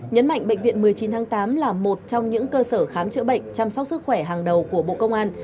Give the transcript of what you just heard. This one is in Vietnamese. nhấn mạnh bệnh viện một mươi chín tháng tám là một trong những cơ sở khám chữa bệnh chăm sóc sức khỏe hàng đầu của bộ công an